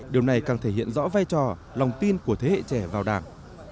điều này càng thể hiện rõ vai trò lòng tin của thế hệ trẻ vào đảng